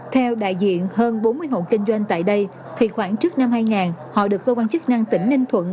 theo đại diện hơn bốn mươi hộ kinh doanh tại đây thì khoảng trước năm hai nghìn họ được cơ quan chức năng tỉnh ninh thuận